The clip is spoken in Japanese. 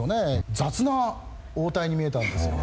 雑な応対に見えたんでしょうね。